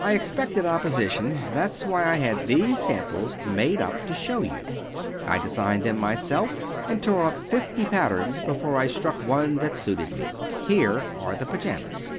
"I expected opposition. That's why I had these samples made up to show you. I designed them myself, and tore up fifty patterns before I struck one that suited me. Here are the pajamas."